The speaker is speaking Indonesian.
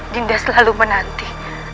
dinda selalu menanti